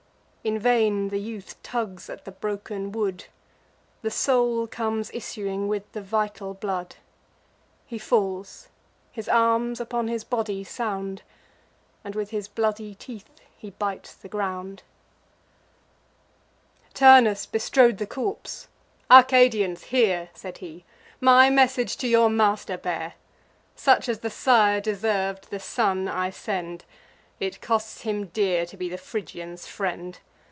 In vain the youth tugs at the broken wood; The soul comes issuing with the vital blood: He falls; his arms upon his body sound; And with his bloody teeth he bites the ground. Turnus bestrode the corpse: "Arcadians, hear," Said he; "my message to your master bear: Such as the sire deserv'd, the son I send; It costs him dear to be the Phrygians' friend.